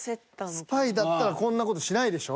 スパイだったらこんな事しないでしょ。